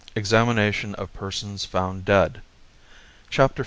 Examination of Persons found Dead 12 V.